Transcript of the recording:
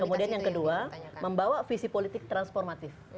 kemudian yang kedua membawa visi politik transformatif